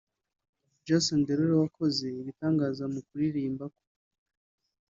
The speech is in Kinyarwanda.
Jason Derulo wakoze ibitangaza mu kuririmba kwe